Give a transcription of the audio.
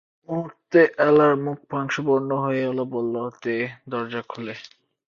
মুহূর্তে এলার মুখ পাংশুবর্ণ হয়ে এল–বললে, দে দরজা খুলে।